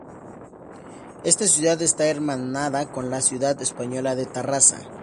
Esta ciudad está hermanada con la ciudad española de Tarrasa.